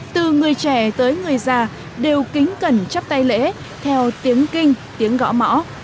từ người trẻ tới người già đều kính cần chấp tay lễ theo tiếng kinh tiếng gõ mõ